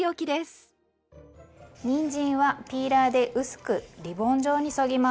にんじんはピーラーで薄くリボン状にそぎます。